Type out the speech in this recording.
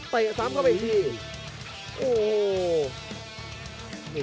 เปะซ้ำเข้าไปอีกที